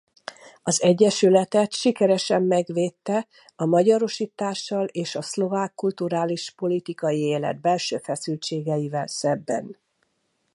Az egyesületet sikeresen megvédte a magyarosítással és a szlovák kulturális-politikai élet belső feszültségeivel szemben.